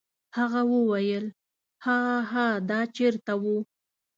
هغه وویل: هاها دا چیرته و؟